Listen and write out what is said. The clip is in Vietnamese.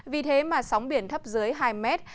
vì thế mà sóng biển thấp dưới hai mét